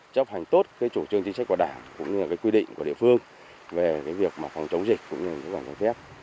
chấp hành tốt chủ trương chính sách của đảng cũng như quy định của địa phương về việc phòng chống dịch cũng như phòng chống phép